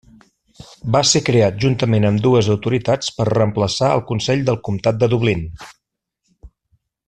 Va ser creat juntament amb dues autoritats per reemplaçar el Consell del Comtat de Dublín.